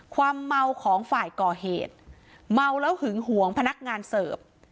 ความเมาของฝ่ายก่อเหตุเมาแล้วหึงหวงพนักงานเสิร์ฟ